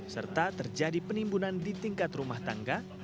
serta terjadi penimbunan di tingkat rumah tangga